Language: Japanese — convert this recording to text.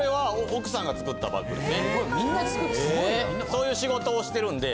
・そういう仕事をしてるんで。